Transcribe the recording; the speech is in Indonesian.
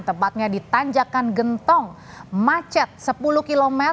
tepatnya di tanjakan gentong macet sepuluh km